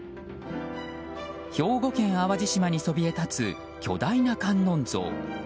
兵庫県淡路島にそびえ立つ巨大な観音像。